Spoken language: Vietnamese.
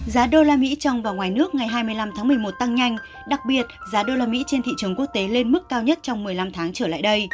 giá đô la mỹ trong và ngoài nước ngày hai mươi năm tháng một mươi một tăng nhanh đặc biệt giá đô la mỹ trên thị trường quốc tế lên mức cao nhất trong một mươi năm tháng trở lại đây